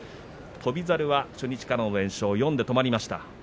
翔猿は初日からの連勝４で止まりました。